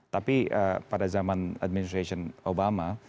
tapi pada zaman administration obama